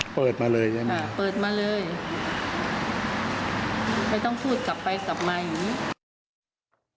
เปิดมาเลยไม่ต้องพูดกลับไปกลับมาอย่างนี้